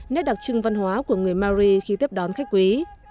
nét đặc trưng văn hóa của người mari khi tiếp đón khách quý